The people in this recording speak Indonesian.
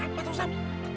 apa tuh sam